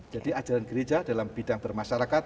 jadi ajaran gereja dalam bidang bermasyarakat